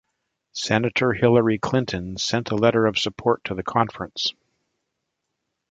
Senator Hillary Clinton sent a letter of support to the conference.